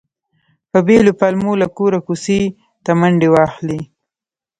په بېلو پلمو له کوره کوڅې ته منډې وهلې.